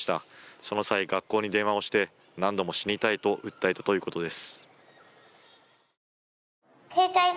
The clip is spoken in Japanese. その際、学校に電話をして、何度も死にたいと訴えたということです。